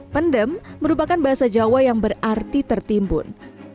pendem merupakan bahasa jawa yang berarti tertimbun